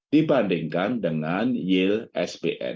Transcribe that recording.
dibandingkan dengan yield s p